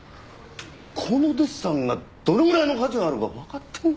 このデッサンがどのぐらいの価値があるかわかってるのか？